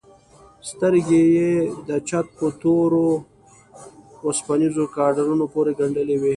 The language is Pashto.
سترگې يې د چت په تورو وسپنيزو ګاډرونو پورې گنډلې وې.